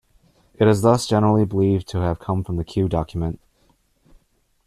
It is thus generally believed to have come from the Q document.